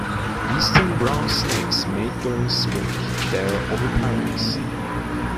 Eastern brown snakes mate during spring; they are oviparous.